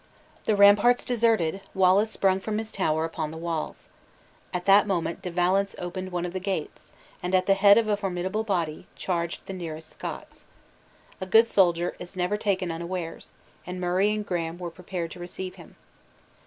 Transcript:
The ramparts deserted, Wallace sprung from his tower upon the walls. At that moment De Valence opened one of the gates; and, at the head of a formidable body, charged the nearest Scots. A good soldier is never taken unawares, and Murray and Graham were prepared to receive him.